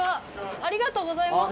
ありがとうございます！